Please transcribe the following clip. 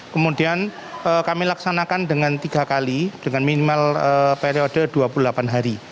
kemudian kami laksanakan dengan tiga kali dengan minimal periode dua puluh delapan hari